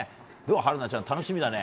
春奈ちゃん、楽しみだね。